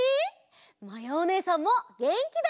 まやおねえさんもげんきだよ！